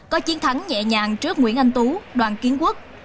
có chiến thắng nhẹ nhàng trước nguyễn anh tú đoàn kiến quốc